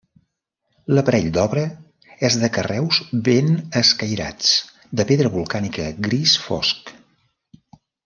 L'aparell de l'obra és de carreus ben escairats, de pedra volcànica gris fosc.